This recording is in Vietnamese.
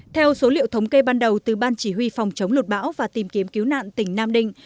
theo số liệu thống kê ban đầu từ ban chỉ huy phòng chống lụt bão và tìm kiếm cứu nạn tỉnh nam định